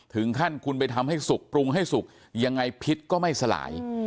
ถึงขั้นคุณไปทำให้สุกปรุงให้สุกยังไงพิษก็ไม่สลาย